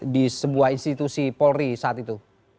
di sebuah institusi polri saat itu